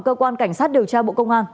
cơ quan cảnh sát điều tra bộ công an